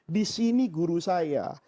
disini guru saya